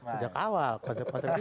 sejak awal konsep konsep